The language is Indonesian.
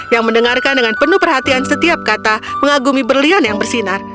yang mendengarkan dengan penuh perhatian setiap kata mengagumi berlian yang bersinar